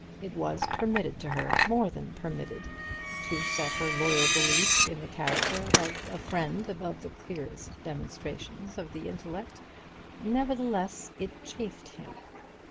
It was permitted to her more than permitted to set her loyal belief in the character of a friend above the clearest demonstrations of the intellect. Nevertheless, it chafed him.